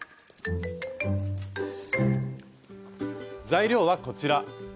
材料はこちら。